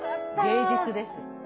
芸術です。